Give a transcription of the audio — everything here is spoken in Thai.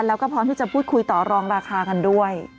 แล้วก็พร้อมที่จะพูดคุยต่อรองราคากันด้วย